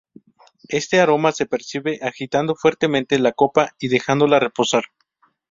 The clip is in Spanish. Este aroma se percibe agitando fuertemente la copa y dejándola reposar.